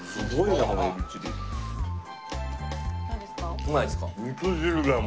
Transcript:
うまいですか？